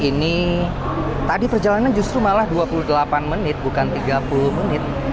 ini tadi perjalanan justru malah dua puluh delapan menit bukan tiga puluh menit